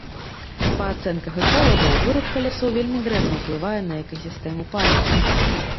Па ацэнках эколагаў, вырубка лясоў вельмі дрэнна ўплывае на экасістэму парка.